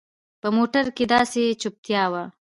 په موټر کښې داسې چوپتيا وه.